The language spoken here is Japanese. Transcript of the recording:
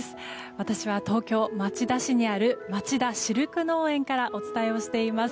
私は東京・町田市にあるまちだシルク農園からお伝えをしています。